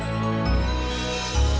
emang beneran sakit